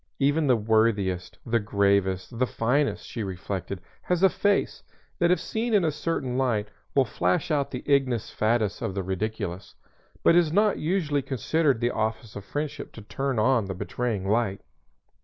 Even the worthiest, the gravest, the finest, she reflected, has a face, that if seen in a certain light, will flash out the ignus fatuus of the ridiculous; but it is not usually considered the office of friendship to turn on the betraying light.